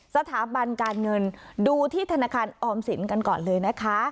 สถาบันการเงินดูที่ธนาคารออมสินกันก่อนเลยนะคะ